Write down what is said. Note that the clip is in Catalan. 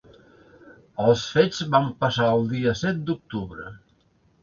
Els fets van passar el dia set d’octubre.